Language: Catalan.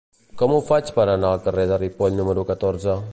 Com ho faig per anar al carrer de Ripoll número catorze?